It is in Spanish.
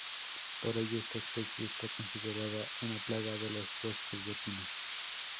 Por ello esta especie está considerada una plaga de los bosques de pino.